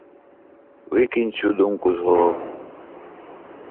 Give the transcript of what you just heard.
Викинь цю думку з голови!